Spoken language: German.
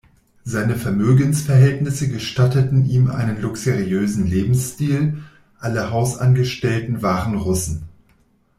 Seine Vermögensverhältnisse gestatteten ihm einen luxuriösen Lebensstil, alle Hausangestellten waren Russen.